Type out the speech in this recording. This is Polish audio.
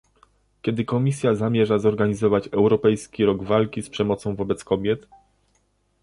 Kiedy Komisja zamierza zorganizować Europejski Rok Walki z Przemocą wobec Kobiet?